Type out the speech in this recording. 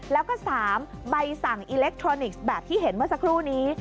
แล้วก็๓ใบสั่งอิเล็กทรอนิกส์แบบที่เห็นเมื่อสักครู่นี้